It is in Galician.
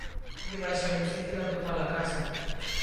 Non lle vai ser difícil atopar a casa.